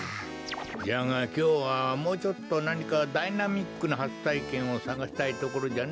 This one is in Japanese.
じゃがきょうはもうちょっとなにかダイナミックなはつたいけんをさがしたいところじゃな。